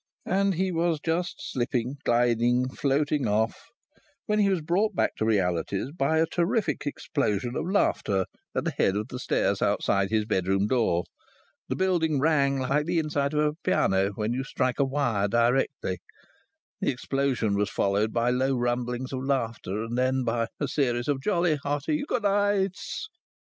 And he was just slipping, gliding, floating off when he was brought back to realities by a terrific explosion of laughter at the head of the stairs outside his bedroom door. The building rang like the inside of a piano when you strike a wire directly. The explosion was followed by low rumblings of laughter and then by a series of jolly, hearty "Good nights."